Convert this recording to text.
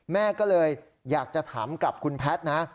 แม่ก็เลยอยากจะถามกับคุณแพทย์นะ